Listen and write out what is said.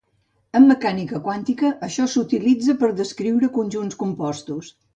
En mecànica quàntica, això s'utilitza per a descriure conjunts compostos.